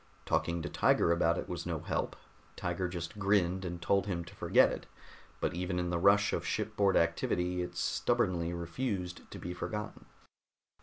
Talking to Tiger about it was no help; Tiger just grinned and told him to forget it, but even in the rush of shipboard activity it stubbornly refused to be forgotten.